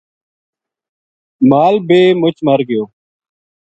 مال بے مُچ مر گیو